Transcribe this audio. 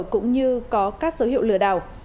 cũng như có các số hiệu lừa đảo